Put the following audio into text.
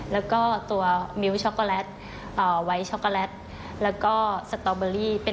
แล้วก็ตัวมิ้วช็อกโกแลตไว้ช็อกโกแลตแล้วก็สตอเบอรี่